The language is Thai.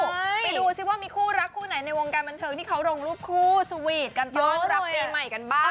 ไปดูสิว่ามีคู่รักคู่ไหนในวงการบันเทิงที่เขาลงรูปคู่สวีทกันต้อนรับปีใหม่กันบ้าง